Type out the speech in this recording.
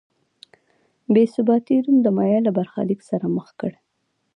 بې ثباتۍ روم د مایا له برخلیک سره مخ کړ.